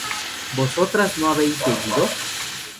¿vosotras no habéis bebido?